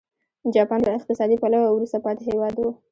جاپان له اقتصادي پلوه وروسته پاتې هېواد و.